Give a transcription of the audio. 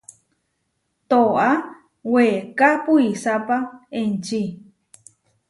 Tóa, weeká puisápa enčí.